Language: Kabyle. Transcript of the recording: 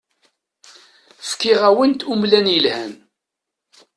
Fkiɣ-awent umlan yelhan.